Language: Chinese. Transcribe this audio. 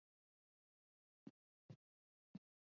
巴朗德蒙特阿尔托是巴西米纳斯吉拉斯州的一个市镇。